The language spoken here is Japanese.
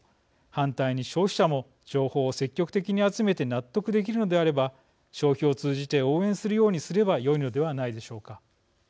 反対に消費者も情報を積極的に集めて納得できるのであれば消費を通じて応援するようにすればよいのではないでしょうか。